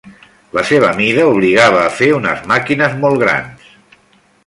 La seva mida obligava a fer unes màquines molt grans.